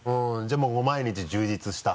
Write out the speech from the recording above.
じゃあもう毎日充実した。